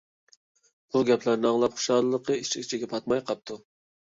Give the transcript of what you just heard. بۇ گەپلەرنى ئاڭلاپ، خۇشاللىقى ئىچ - ئىچىگە پاتماي قاپتۇ.